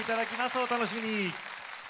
お楽しみに！